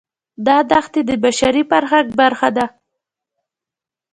دا دښتې د بشري فرهنګ برخه ده.